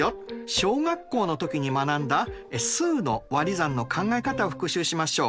小学校のときに学んだ数のわり算の考え方を復習しましょう。